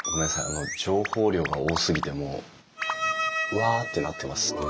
あの情報量が多すぎてもううわってなってます。